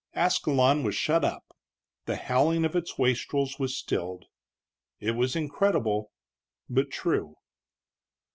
Ascalon was shut up; the howling of its wastrels was stilled. It was incredible, but true.